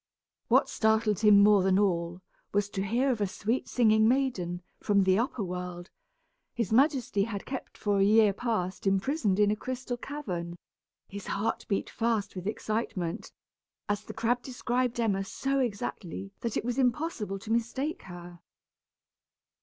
What startled him more than all, was to hear of a sweet singing maiden, from the upper world, his majesty had kept for a year past imprisoned in a crystal cavern! His heart beat fast with excitement, as the crab described Emma so exactly that it was impossible to mistake her.